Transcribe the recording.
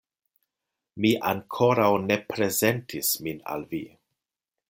Mi ankoraŭ ne prezentis min al vi.